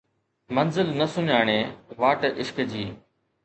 منزل نه سڃاڻي، واٽ عشق جي